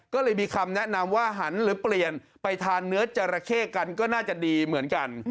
ก็เลยมีคำแนะนำว่าหันหรือเปลี่ยนไปทานเนื้อจราเข้กันก็น่าจะดีเหมือนกัน